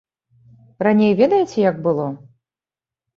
Раней ведаеце, як было?